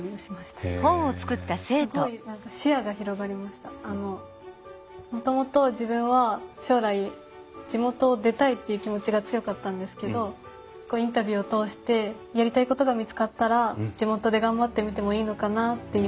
すごいあのもともと自分は将来地元を出たいっていう気持ちが強かったんですけどインタビューを通してやりたいことが見つかったら地元で頑張ってみてもいいのかなっていうふうに。